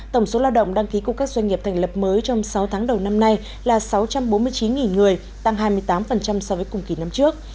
tổng số lao động đăng ký của các doanh nghiệp thành lập mới trong sáu tháng đầu năm nay là sáu trăm bốn mươi chín người tăng hai mươi tám so với cùng kỳ năm trước